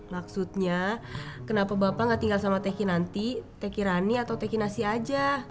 maksudnya kenapa bapak gak tinggal sama teh kinanti teh kirani atau teh kinasi aja